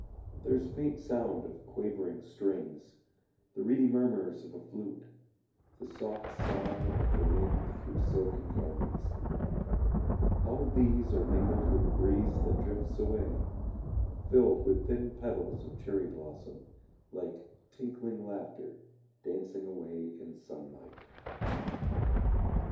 There is faint sound of quavering strings, The reedy murmurs of a flute, The soft sigh of the wind through silken garments; All these are mingled With the breeze that drifts away, Filled with thin petals of cherry blossom, Like tinkling laughter dancing away in sunlight.